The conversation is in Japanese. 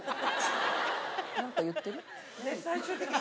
何か言ってる？